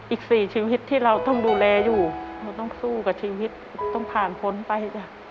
อีก๔ชีวิตที่เราต้องดูแลอยู่เราต้องสู้กับชีวิตต้องผ่านพ้นไปจ้ะ